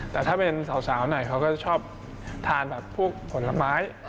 แต่ถ้าเป็นสาวหน่อยเขาก็ชอบทานแบบพวกผลไม้